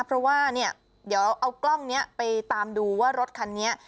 เพราะว่าเนี่ยเดี๋ยวเอากล้องนี้ไปตามดูว่ารถคันนี้